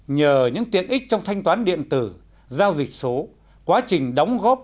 nhờ những tiện ích trong thanh toán điện tử giao dịch số quá trình đóng góp